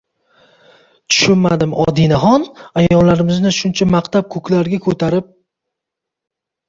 Tushunmadim Odinaxon, ayollarimizni shuncha maqtab ko’klarga ko’tarib